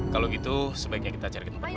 kalau gitu sebaiknya kita cari di tempat lain